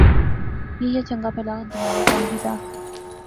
یہ ایہہ چنگا پہلا دماغی کم وی دا